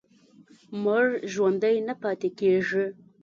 مړ ژوندی نه پاتې کېږي.